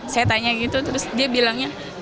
saya tanya gitu terus dia bilangnya